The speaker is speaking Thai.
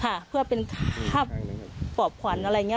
ค่ะเพื่อเป็นภาพปอบขวัญอะไรอย่างนี้